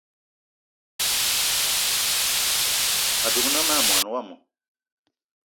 Adugna ma mwaní wama